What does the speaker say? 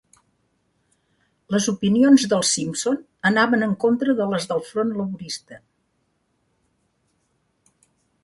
Les opinions dels Simpson anaven en contra de les del front laborista.